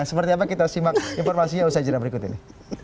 seperti apa kita simak informasinya usai jeda berikut ini